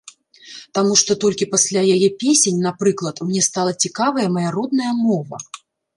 Таму што толькі пасля яе песень, напрыклад, мне стала цікавая мая родная мова.